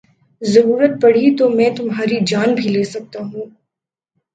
ضرورت پڑی تو میں تمہاری جان بھی لے سکتا ہوں